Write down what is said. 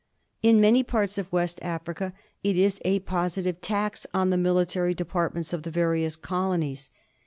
In many parts of West Africa it is a positive tax on the military departments of the various colonies.